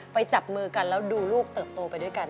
จับมือกันแล้วดูลูกเติบโตไปด้วยกัน